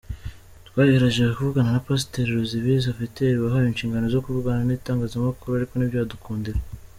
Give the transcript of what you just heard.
Twagerageje kuvuguna na Pasiteri Ruzibiza Viateur wahawe inshingano zo kuvugana n’itangazamakuru ariko ntibyadukundira.